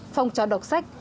phòng trào đọc sách